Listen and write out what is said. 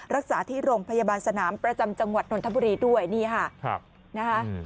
รักษาที่โรงพยาบาลสนามประจำจังหวัดนนทบุรีด้วยนี่ค่ะนะคะ